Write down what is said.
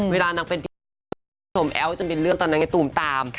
เวลานางเป็นแอลฟ์จะเป็นเรื่องตอนนั้นจะตุ่มตาม